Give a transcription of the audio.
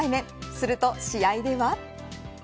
すると試合では。